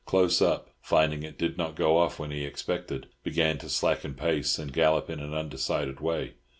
Close Up, finding it did not go off when he expected, began to slacken pace and gallop in an undecided way.